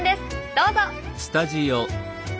どうぞ。